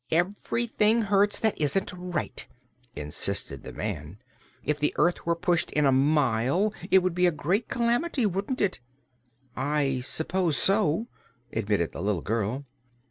"Everything hurts that isn't right," insisted the man. "If the earth were pushed in a mile, it would be a great calamity, wouldn't it?" "I s'pose so," admitted the little girl.